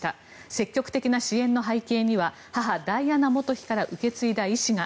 積極的な支援の背景には母・ダイアナ元妃から受け継いだ遺志が。